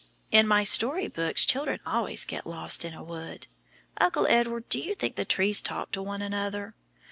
In my story books, children always get lost in a wood. Uncle Edward, do you think the trees talk to one another?